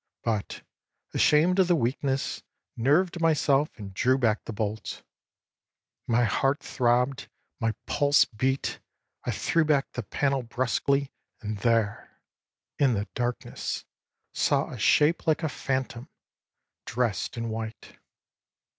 â but, ashamed of the weakness, nerved myself and drew back the bolts. My heart throbbed, my pulse beat, I threw back the panel brusquely and there, in the darkness, saw a shape like a phantom, dressed in white.